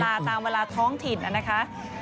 ตามเวลาท้องถิ่นนะคะ